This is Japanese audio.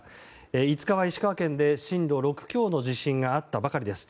５日は石川県で震度６強の地震があったばかりです。